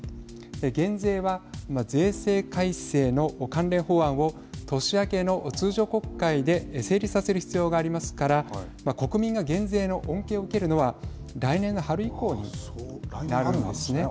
減税は今税制改正の関連法案を年明けの通常国会で成立させる必要がありますから国民が減税の恩恵を受けるのは来年の春以降になるんですね。